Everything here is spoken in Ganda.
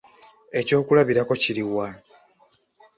Ekyokulabirako kiri wa?